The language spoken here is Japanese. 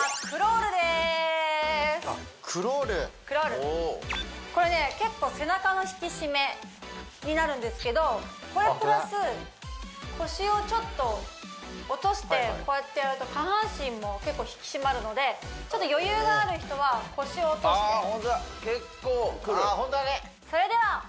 クロールクロールこれね結構背中の引き締めになるんですけどこれプラス腰をちょっと落としてこうやってやると下半身も結構引き締まるのでちょっと余裕がある人は腰を落としてああ